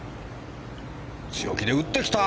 強気で打ってきた。